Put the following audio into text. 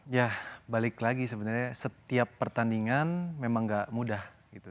ya balik lagi sebenarnya setiap pertandingan memang gak mudah